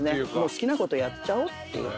好きなことやっちゃおうっていう。